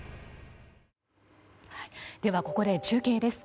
では、ここで中継です。